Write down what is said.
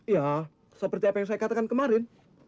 ya seperti apa yang saya katakan kemarin